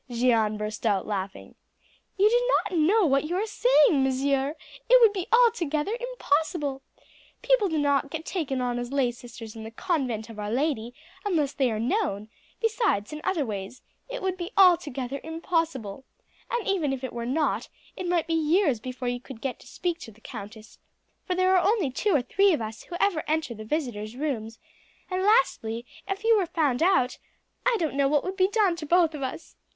Jeanne burst our laughing. "You do not know what you are saying, monsieur; it would be altogether impossible. People do not get taken on as lay sisters in the convent of Our Lady unless they are known; besides, in other ways it would be altogether impossible, and even if it were not it might be years before you could get to speak to the countess, for there are only two or three of us who ever enter the visitors' rooms; and lastly, if you were found out I don't know what would be done to both of us.